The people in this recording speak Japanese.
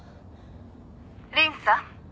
「凛さん」